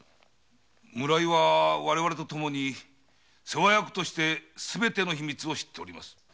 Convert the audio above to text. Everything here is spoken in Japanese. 村井は我々とともに世話役としてすべての秘密を知っております。